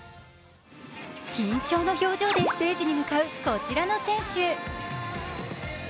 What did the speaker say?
緊張の表情でステージに向かうこちらの選手。